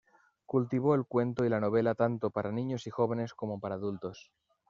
Cultivó el cuento y la novela tanto para niños y jóvenes como para adultos.